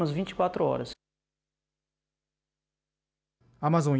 アマゾン